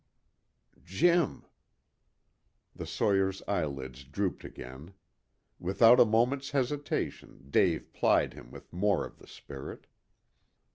"Jim." The sawyer's eyelids drooped again. Without a moment's hesitation Dave plied him with more of the spirit.